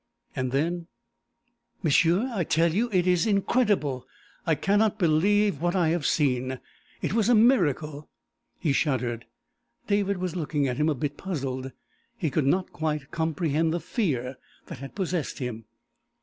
And then: "M'sieu, I tell you it is incredible! I cannot believe what I have seen. It was a miracle!" He shuddered. David was looking at him, a bit puzzled. He could not quite comprehend the fear that had possessed him.